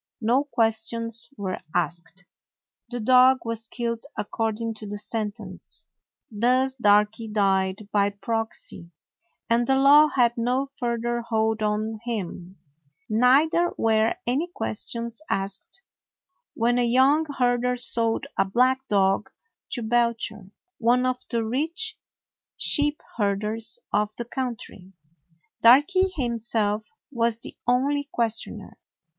No ques tions were asked. The dog was killed accord ing to the sentence. Thus Darky died by 107 DOG HEROES OF MANY LANDS proxy, and the law had no further hold on him. Neither were any questions asked when a young herder sold a black dog to Belcher, one of the rich sheep herders of the country. Darky himself was the only questioner.